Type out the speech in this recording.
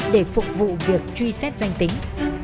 để phục vụ việc truy xét danh tính